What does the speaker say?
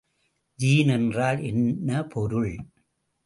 Gene என்றால் என்ன பொருள்?